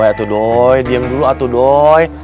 aduh doi diam dulu atuh doi